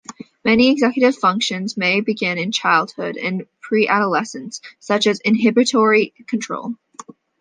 Many executive functions may begin in childhood and preadolescence, such as inhibitory control.